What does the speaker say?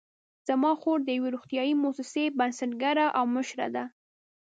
زما خور د یوې روغتیايي مؤسسې بنسټګره او مشره ده